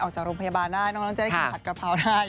ออกจากโรงพยาบาลได้น้องจะได้กินผัดกะเพราได้